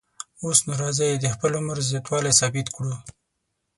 اوس نو راځئ د خپل عمر زیاتوالی ثابت کړو.